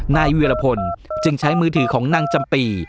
นายเวียรพลจึงใช้มือถือของนางจำปี